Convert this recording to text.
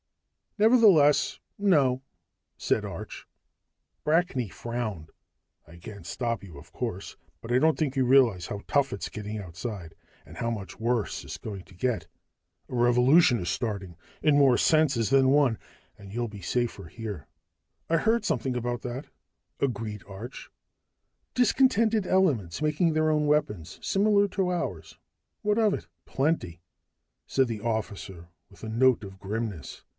"Nevertheless, no," said Arch. Brackney frowned. "I can't stop you, of course. But I don't think you realize how tough it's getting outside, and how much worse it's going to get. A revolution is starting, in more senses than one, and you'll be safer here." "I heard something about that," agreed Arch. "Discontented elements making their own weapons, similar to ours what of it?" "Plenty," said the officer with a note of grimness.